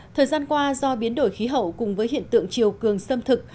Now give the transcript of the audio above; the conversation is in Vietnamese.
thời gian qua do biến đổi khí hậu cùng với hiện tượng chiều cường sâm thực